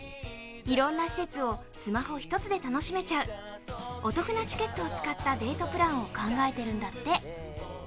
いろんな施設をスマホ１つで楽しめちゃうお得なチケットを使ったデートプランを考えてるんだって。